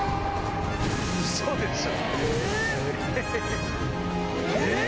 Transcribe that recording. ウソでしょ